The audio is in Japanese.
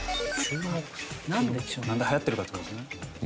なんで流行ってるかって事ですよね。